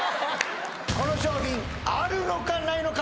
この商品あるのかないのか！